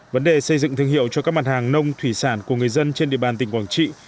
vấn đề xây dựng thương hiệu cho các mặt hàng nông thủy sản của người dân trên địa bàn tỉnh quảng trị